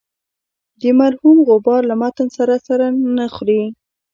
د مرحوم غبار له متن سره سر نه خوري.